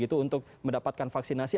untuk mendapatkan vaksinasi